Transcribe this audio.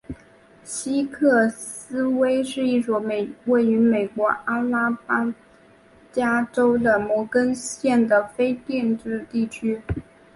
西克斯威是一个位于美国阿拉巴马州摩根县的非建制地区。